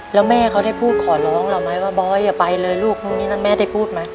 แล้วแม่เขาได้พูดขอร้องเราไหมว่าบอยอย่าไปเลยลูกนู่นนี่นั่นแม่ได้พูดไหม